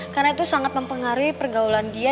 karena itu sangat mempengaruhi pergaulan dia